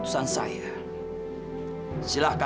terima kasih pak